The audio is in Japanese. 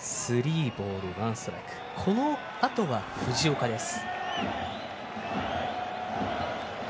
このあとは藤岡です。